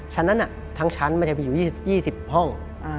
ชั้นนั้นทั้งชั้นมันจะมีอยู่๒๐ห้อง